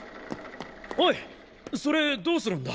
おいそれどうするんだ？